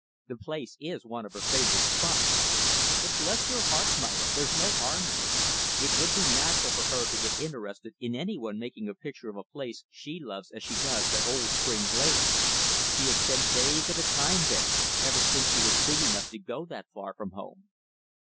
The place is one of her favorite spots. But bless your heart, Myra, there's no harm in it. It would be natural for her to get interested in any one making a picture of a place she loves as she does that old spring glade. She has spent days at a time there ever since she was big enough to go that far from home."